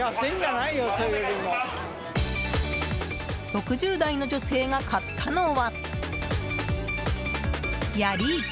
６０代の女性が買ったのはヤリイカ。